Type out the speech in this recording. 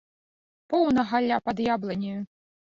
Поўна галля пад яблыняю.